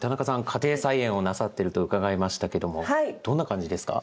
家庭菜園をなさってると伺いましたけどもどんな感じですか？